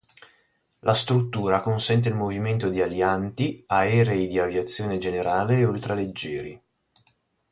La struttura consente il movimento di alianti, aerei di aviazione generale e ultraleggeri.